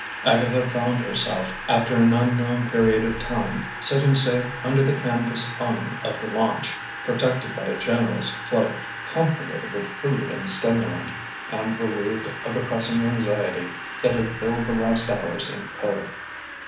Agatha found herself, after an unknown period of time, sitting safe under the canvas awning of the launch, protected by a generous cloak, comforted with food and stimulant, and relieved of the pressing anxiety, that had filled the last hours in the cove.